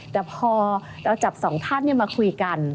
แต่พอเราจับสองท่านมาคุยกัน